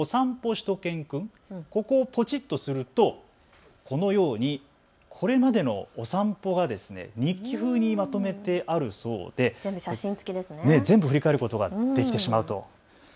しゅと犬くん、ここポチッとするとこれまでのお散歩が日記ふうにまとめてあるそうで、全部振り返ることができてしまうという。